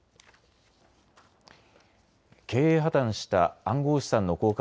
経営破綻した暗号資産の交換